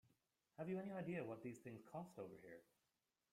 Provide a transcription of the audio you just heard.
Have you any idea what these things cost over here?